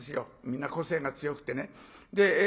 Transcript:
みんな個性が強くてね。